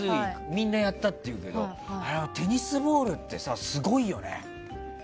みんなやったって言うけどテニスボールってすごいよね。